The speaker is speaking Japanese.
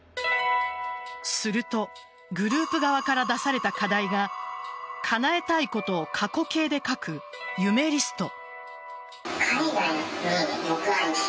すると、グループ側から出された課題がかなえたいことを過去形で書く夢リスト。